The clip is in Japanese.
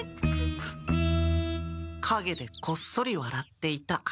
かげでこっそり笑っていた。